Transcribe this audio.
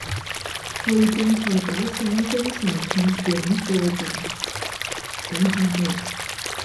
後段才打醒精神聽廣播吧！